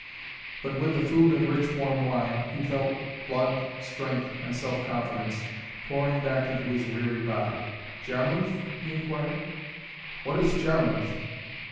But with the food and rich warm wine, he felt blood, strength and self confidence pouring back into his weary body. "Jarmuth?" he inquired. "What is Jarmuth?"